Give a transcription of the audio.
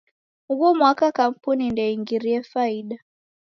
Ughu mwaka kampuni ndeingirie faida.